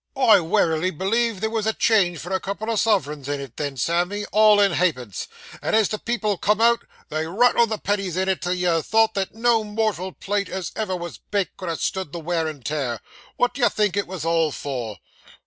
I werily believe there was change for a couple o' suv'rins in it, then, Sammy, all in ha'pence; and as the people come out, they rattled the pennies in it, till you'd ha' thought that no mortal plate as ever was baked, could ha' stood the wear and tear. What d'ye think it was all for?